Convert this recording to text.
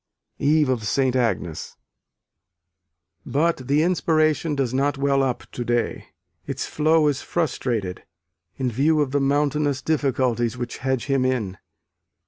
Eve of St. Agnes. But the inspiration does not well up to day: its flow is frustrated, in view of the mountainous difficulties which hedge him in.